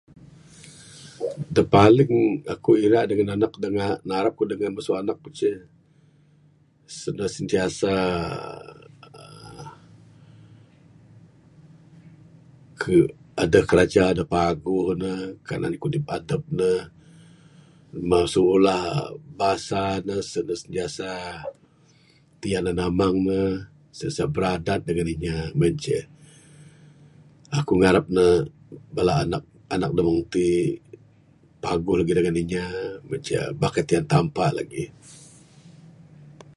Da paling akuk ira dengan anak da narap akuk masu anak kuk ce, uhh senantiasa aduh kiraja da paguh ne. Kanan kudip adup ne. Masu ulah basa ne, senantiasa tiyan andu amang ne. Sentiasa biradat dengan inya. Mun en ce. Akuk ngarap ne, bala anak, anak da mung t'i, paguh lagik dengan inya, mung en ce. Aba kai tiyan Tampa lagik.